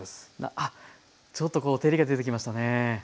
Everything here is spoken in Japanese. あっちょっとこう照りが出てきましたね。